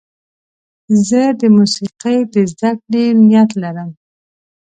زه د موسیقۍ د زدهکړې نیت لرم.